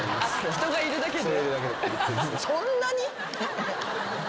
人がいるだけで。